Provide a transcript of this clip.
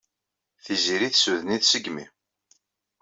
Tiziri tessuden-it seg yimi.